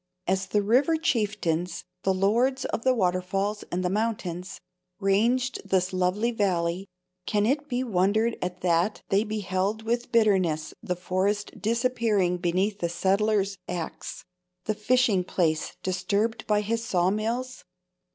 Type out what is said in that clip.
As the river chieftains, the lords of the waterfalls and the mountains, ranged this lovely valley, can it be wondered at that they beheld with bitterness the forest disappearing beneath the settler's axe—the fishing place disturbed by his saw mills?